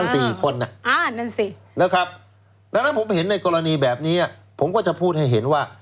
สี่คนน่ะนะครับแล้วถ้าผมเห็นในกรณีแบบนี้นะผมก็จะพูดให้เห็นว่า